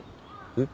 えっ？